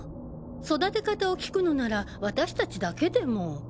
育て方を聞くのなら私達だけでも。